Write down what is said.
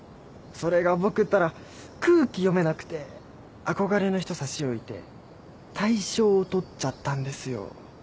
それが僕ったら空気読めなくて憧れの人差し置いて大賞を取っちゃったんですよ。